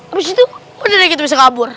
abis itu udah deh kita bisa kabur